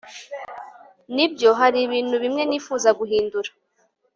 nibyo, hari ibintu bimwe nifuza guhindura